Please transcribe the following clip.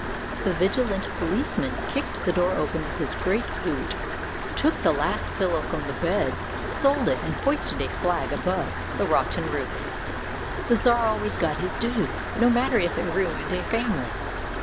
The vigilant policeman kicked the door open with his great boot, took the last pillow from the bed, sold it, and hoisted a flag above the rotten roof. The czar always got his dues, no matter if it ruined a family.